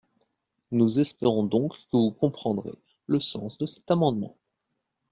Nous espérons donc que vous comprendrez le sens de cet amendement.